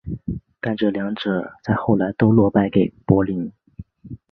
但这两者在后来都落败给柏林。